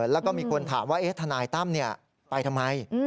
แล้วก็มีคนถามว่าทนายตั้มไปทำไม